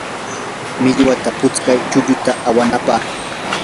millwata putskay chulluta awanapaq.